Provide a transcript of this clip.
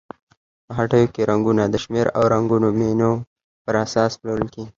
په هټیو کې رنګونه د شمېر او رنګونو مینو پر اساس پلورل کیږي.